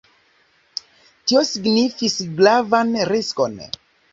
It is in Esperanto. Tio signifis gravan riskon.